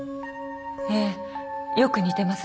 ええよく似てます。